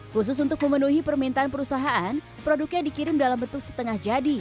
khusus untuk memenuhi permintaan perusahaan produknya dikirim dalam bentuk setengah jadi